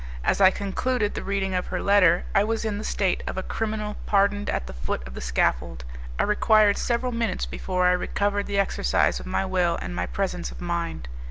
As I concluded the reading of her letter, I was in the state of a criminal pardoned at the foot of the scaffold. I required several minutes before I recovered the exercise of my will and my presence of mind.